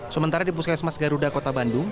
sementara di puskesmas garuda kota bandung